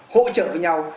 hỗ trợ với nhau